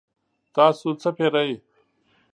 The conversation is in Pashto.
تاسو څه پیرئ؟